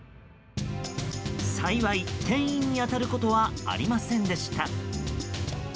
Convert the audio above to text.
幸い、店員に当たることはありませんでした。